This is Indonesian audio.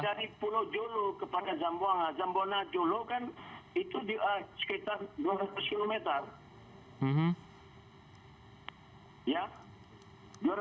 yang dari pulau jolo kepada jambang jambang jolo kan itu sekitar dua ratus kilometer